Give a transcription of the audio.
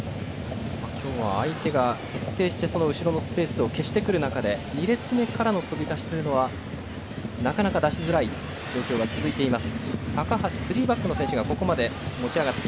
今日は相手が徹底して、後ろのスペースを消してくる中で２列目からの飛び出しというのはなかなか出しづらい状況が続いています。